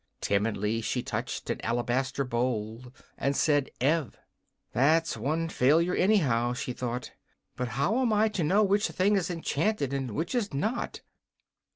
Timidly she touched an alabaster bowl and said: "Ev." "That's one failure, anyhow," she thought. "But how am I to know which thing is enchanted, and which is not?"